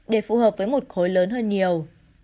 để phù hợp với một khối lớn hơn nhiều